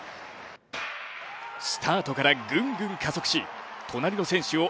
スタートからぐんぐん加速し、隣の選手を